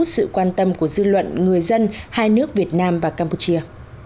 sự quan tâm của dư luận người dân hai nước việt nam và campuchia